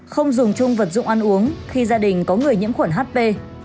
không dùng chung vật dụng ăn uống khi gia đình có người nhiễm khuẩn hp